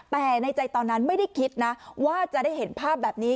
แต่ในใจตอนนั้นไม่ได้คิดนะว่าจะได้เห็นภาพแบบนี้